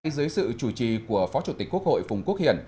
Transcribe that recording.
dưới sự chủ trì của phó chủ tịch quốc hội phùng quốc hiển